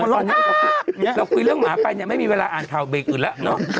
เราคุยเรื่องหมาไปยังไม่มีเวลาอ่านข่าวเบรกอื่นแล้ว